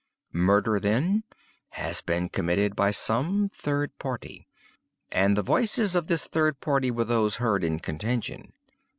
Murder, then, has been committed by some third party; and the voices of this third party were those heard in contention.